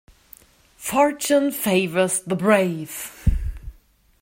Fortune favours the brave.